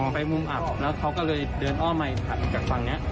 อ๋อไปมุมอับแล้วเขาก็เลยเดินอ้อมัยผ่านไปจากฝั่งเนี้ย